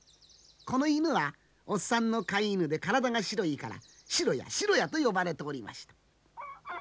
この犬はおっさんの飼い犬で体が白いから「シロやシロや」と呼ばれておりました。